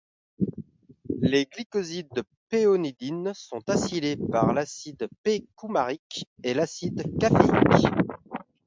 Les glycosides de péonidine sont acylés par l'acide p-coumarique et l'acide caféique.